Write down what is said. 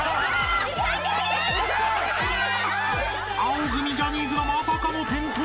［青組ジャニーズがまさかの転倒］